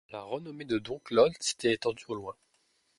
La renommée de dom Claude s’était étendue au loin.